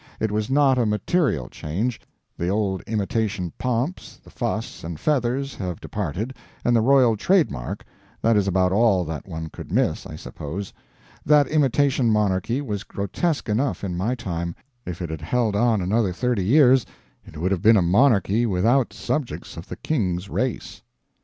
It was not a material change. The old imitation pomps, the fuss and feathers, have departed, and the royal trademark that is about all that one could miss, I suppose. That imitation monarchy, was grotesque enough, in my time; if it had held on another thirty years it would have been a monarchy without subjects of the king's race.